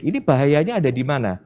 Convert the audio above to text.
ini bahayanya ada di mana